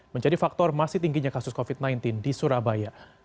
menjadi faktor masih tingginya kasus covid sembilan belas di surabaya